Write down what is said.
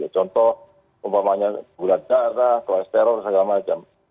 contoh umpamanya bulan darah kolesterol segala macam